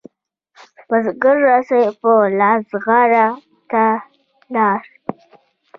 بزگر رسۍ په لاس غره ته لاړ.